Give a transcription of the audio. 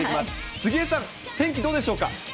杉江さん、天気どうでしょうか。